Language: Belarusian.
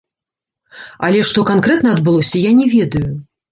Але што канкрэтна адбылося, я не ведаю.